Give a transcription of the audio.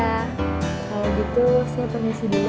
kalau gitu saya pergi dulu